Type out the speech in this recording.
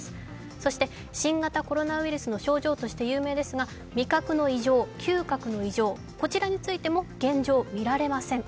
そして新型コロナウイルスの症状として有名ですが、味覚の異常、嗅覚の異常こちらについても現状見られません。